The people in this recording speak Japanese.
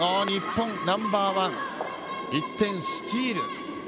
日本ナンバーワン、１点スチール。